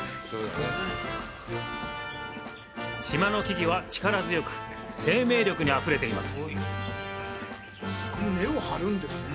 島の木々は力強く生命力にあふれています。